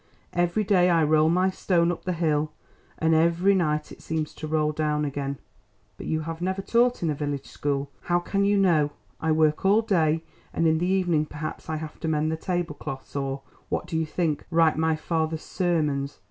Every day I roll my stone up the hill, and every night it seems to roll down again. But you have never taught in a village school. How can you know? I work all day, and in the evening perhaps I have to mend the tablecloths, or—what do you think?—write my father's sermons.